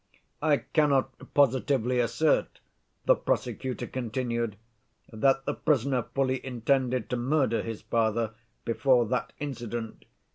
"I cannot positively assert," the prosecutor continued, "that the prisoner fully intended to murder his father before that incident.